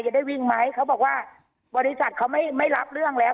ได้วิ่งไหมเขาบอกว่าบริษัทเขาไม่รับเรื่องแล้ว